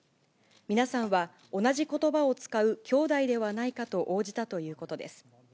皆さんは同じことばを使う兄弟ではないかと応じたということです。